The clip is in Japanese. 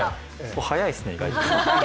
速いですね、意外と。